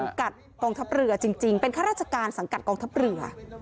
กัดกองทัพเรือจริงเป็นข้าราชการสังกัดกองทัพเรือ